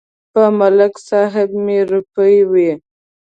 په ملک صاحب مې روپۍ وې.